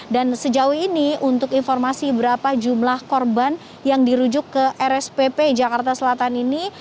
dan sejauh ini untuk informasi berapa jumlah korban yang dirujuk ke rspp jakarta selatan ini